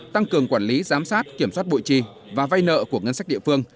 tăng cường quản lý giám sát kiểm soát bội trì và vay nợ của ngân sách địa phương